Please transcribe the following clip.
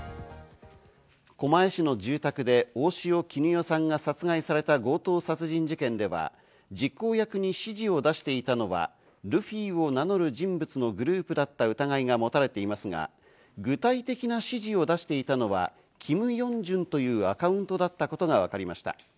狛江市の住宅で大塩衣与さんが殺害された強盗殺人事件では、実行役に指示を出していたのはルフィを名乗る人物のグループだった疑いがもたれていますが、具体的な指示を出していたのは、キム・ヨンジュンというアカウントだったことがわかりました。